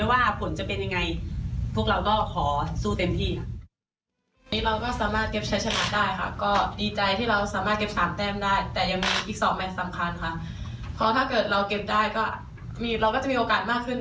เราก็จะไม่ประมาณก็จะทำให้เต็มที่ค่ะ